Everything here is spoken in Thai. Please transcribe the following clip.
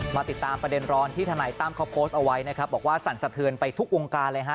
มาติดตามประเด็นร้อนที่ทนายตั้มเขาโพสต์เอาไว้นะครับบอกว่าสั่นสะเทือนไปทุกวงการเลยฮะ